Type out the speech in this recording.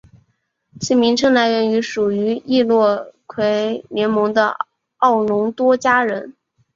其名称来源于属于易洛魁联盟的奥农多加人。